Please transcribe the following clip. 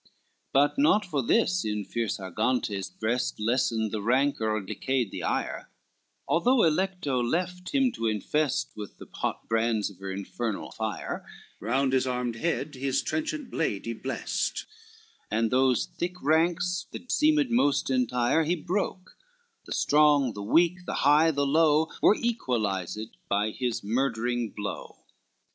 LXVII But not for this in fierce Argantes' breast Lessened the rancor and decreased the ire, Although Alecto left him to infest With the hot brands of her infernal fire, Round his armed head his trenchant blade he blest, And those thick ranks that seemed moist entire He breaks; the strong, the high, the weak, the low, Were equalized by his murdering blow.